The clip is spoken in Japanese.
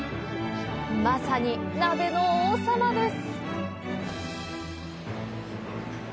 まさに、鍋の王様です！